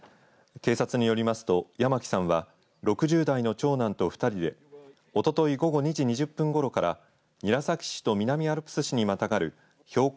警察によりますと八巻さんは６０代の長男と２人でおととい午後２時２０分ごろから韮崎市と南アルプス市にまたがる標高